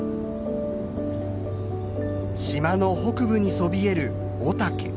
島の北部にそびえる御岳。